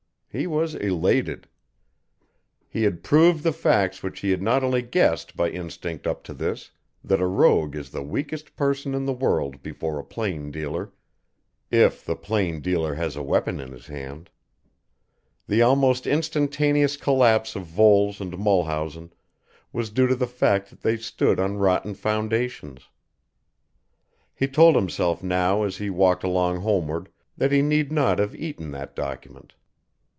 He was elated. He had proved the facts which he had only guessed by instinct up to this, that a rogue is the weakest person in the world before a plain dealer, if the plain dealer has a weapon in his hand. The almost instantaneous collapse of Voles and Mulhausen was due to the fact that they stood on rotten foundations. He told himself now as he walked along homeward that he need not have eaten that document.